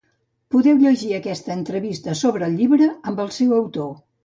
Podeu llegir aquesta entrevista sobre el llibre amb el seu autor.